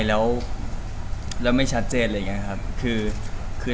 และไม่ชัดเจน